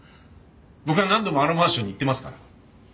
僕は何度もあのマンションに行ってますから。